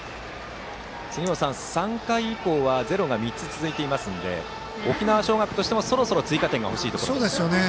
杉本さん、３回以降はゼロが３つ続いているので沖縄尚学としてもそろそろ追加点が欲しいですね。